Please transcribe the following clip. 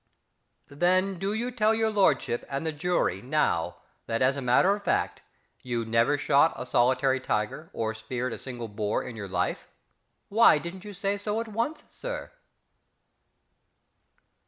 Then do you tell his lordship and the jury now that, as a matter of fact, you never shot a solitary tiger or speared a single boar in your life? Why didn't you say so at once, Sir....